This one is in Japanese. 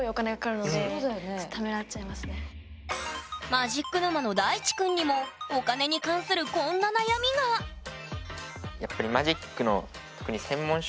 マジック沼の大智くんにもお金に関するこんな悩みがやっぱりはあ。